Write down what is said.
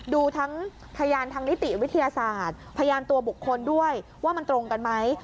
ดูทั้งพยานทางนิติวิทยาศาสตร์พยานตัวบุคคลด้วยว่ามันตรงกันไหม